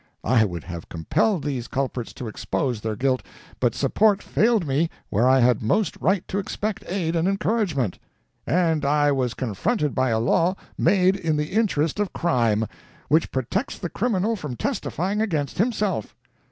I would have compelled these culprits to expose their guilt, but support failed me where I had most right to expect aid and encouragement. And I was confronted by a law made in the interest of crime, which protects the criminal from testifying against himself.